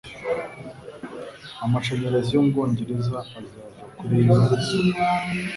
amashanyarazi yo mu Bwongereza azava kuri iyo isoko